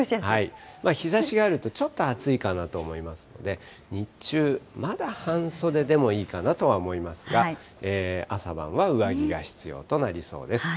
日ざしがあるとちょっと暑いかなと思いますので、日中、まだ半袖でもいいかなとは思いますが、朝晩は上着が必要となりそうです。